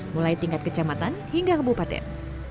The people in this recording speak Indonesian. mulai tingkat kecamatan hingga kebupaten